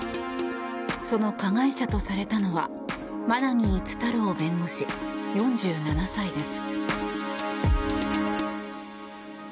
その加害者とされたのは馬奈木厳太郎弁護士４７歳です。